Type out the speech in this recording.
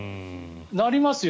なりますよ。